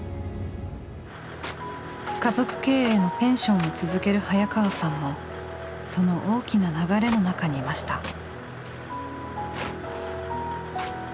家族経営のペンションを続ける早川さんもその大きな流れの中にいました。